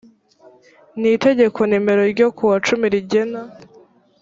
n itegeko nimero ryo kuwa cumi rigena